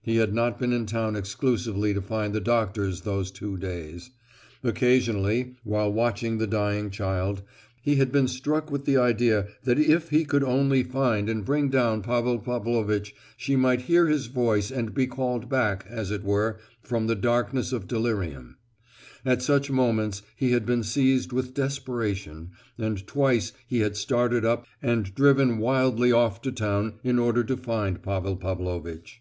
He had not been in town exclusively to find the doctors those two days. Occasionally, while watching the dying child, he had been struck with the idea that if he could only find and bring down Pavel Pavlovitch she might hear his voice and be called back, as it were, from the darkness of delirium; at such moments he had been seized with desperation, and twice he had started up and driven wildly off to town in order to find Pavel Pavlovitch.